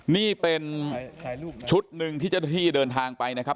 นี่เป็นชุดหนึ่งที่เจ้าหน้าที่เดินทางไปนะครับ